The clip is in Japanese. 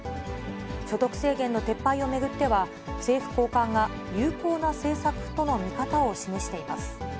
所得制限の撤廃を巡っては、政府高官が有効な政策との見方を示しています。